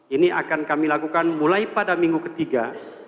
ini akan kami lakukan mulai pada minggu ketiga